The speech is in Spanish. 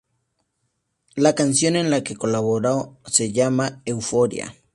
La canción en la que colabora se llama "Euforia".